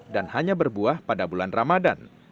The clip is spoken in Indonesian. dan hanya berbuah pada bulan ramadan